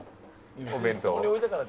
お弁当。